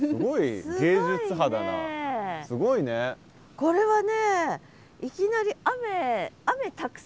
これはね